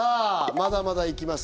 まだまだいきます